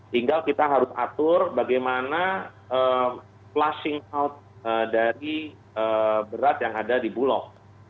tinggal kita harus atur bagaimana flushing out dari berat yang ada di bulog